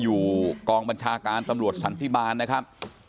อยู่กองบัญชาการตำรวจสันติบาลนะครับ